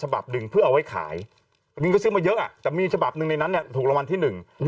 หนึ่งก็ซื้อมาเยอะอ่ะจะมีฉบับหนึ่งในนั้นเนี่ยถูกระวัลที่หนึ่ง